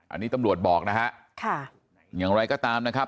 อันนี้ตำรวจบอกนะฮะค่ะอย่างไรก็ตามนะครับ